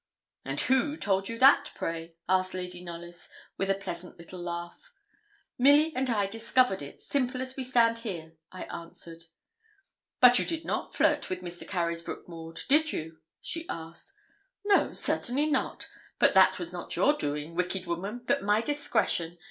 'And who told you that, pray?' asked Lady Knollys, with a pleasant little laugh. 'Milly and I discovered it, simple as we stand here,' I answered. 'But you did not flirt with Mr. Carysbroke, Maud, did you?' she asked. 'No, certainly not; but that was not your doing, wicked woman, but my discretion.